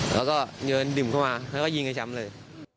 แล้วก็เดินดื่มเข้ามาแล้วก็ยิงกระช้ำเลย